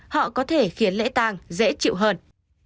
họ có thể khiến lễ tàng dễ chịu hơn